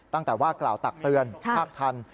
ตั้งแต่ว่ากล่าวตักเตือนภาคทัน